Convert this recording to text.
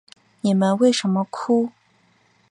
你们为什么哭？